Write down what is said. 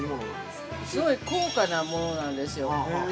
◆すごい高価な物なんですよ。